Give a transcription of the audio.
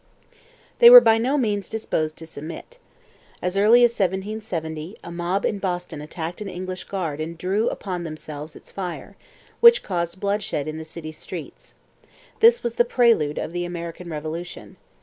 They were by no means disposed to submit. As early as 1770 a mob in Boston attacked an English guard and drew upon themselves its fire, which caused bloodshed in the city's streets. This was the prelude of the American Revolution.